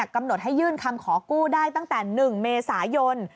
กำหนดให้ยื่นคำขอกู้ได้ตั้งแต่๑เมษายน